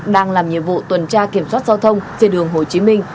đang làm nhiệm vụ tuần tra kiểm soát giao thông trên đường hồ chí minh